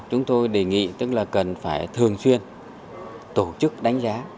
chúng tôi đề nghị tức là cần phải thường xuyên tổ chức đánh giá